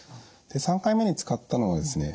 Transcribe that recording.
で３回目に使ったのがですね